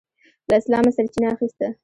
له اسلامه سرچینه اخیسته.